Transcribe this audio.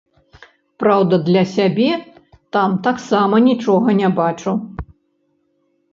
Праўда, для сябе там таксама нічога не бачу.